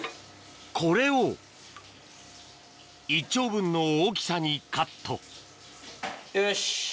これを１丁分の大きさにカットよし！